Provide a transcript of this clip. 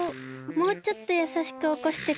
もうちょっとやさしくおこしてくれても。